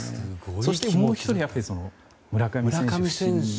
そしてもう１人、村上選手。